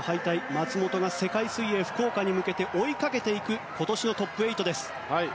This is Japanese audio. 松元が世界水泳福岡に向けて追いかけていく今年のトップ８です。